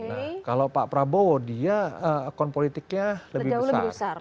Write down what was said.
nah kalau pak prabowo dia akun politiknya lebih besar